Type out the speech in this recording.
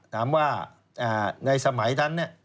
ถามว่าในสมัยท่านเนี่ย